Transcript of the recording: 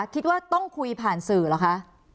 คิดว่าต้องคุยผ่านสื่อเหรอคะ